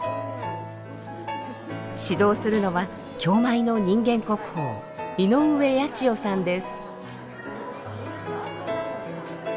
指導するのは京舞の人間国宝井上八千代さんです。